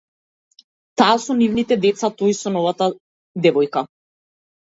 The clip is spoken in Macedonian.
Таа со нивните деца, тој со новата девојка